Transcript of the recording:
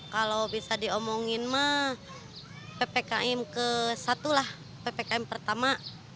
kalau bisa diomongin mah ppkm ke satu lah ppkm pertama